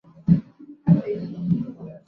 高雄市美浓区